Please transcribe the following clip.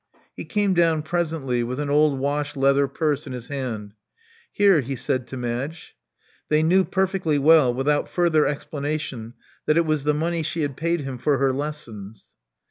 He came down presently, with an old wash leather purse in his hand. Here," he said to Madge. They knew perfectly well, without further explanation, that it was the money she had paid him for her lessons.